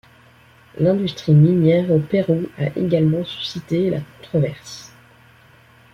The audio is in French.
L'industrie minière au Pérou a également suscité la controverse.